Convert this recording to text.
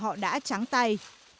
họ đã trắng tay